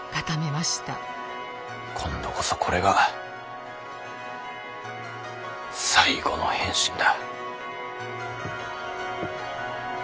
今度こそこれが最後の変身だ。